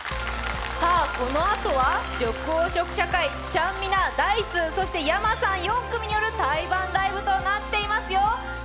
このあとは、緑黄色社会、ちゃんみな、Ｄａ−ｉＣＥ、そしてｙａｍａさん、４組による対バンライブとなっていますよ。